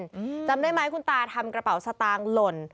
อืมจำได้ไหมคุณตาทำกระเป๋าสตางค์หล่น